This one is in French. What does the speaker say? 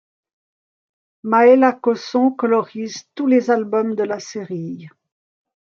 Maëla Cosson colorise tous les albums de la série.